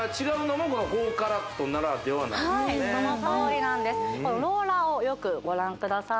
はいそのとおりなんですローラーをよくご覧ください